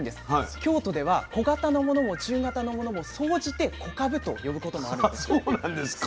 京都では小型のものも中型のものも総じてこかぶと呼ぶこともあるんです。